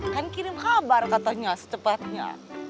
kan kirim kabar katanya secepatnya